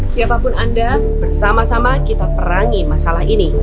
siapapun anda bersama sama kita perangi masalah ini